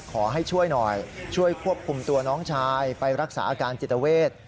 ขอให้ช่วยหน่อยช่วยควบคุมตัวน้องชายไปรักษาอาการจิตเวท